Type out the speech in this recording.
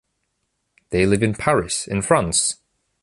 They live in Paris, in France.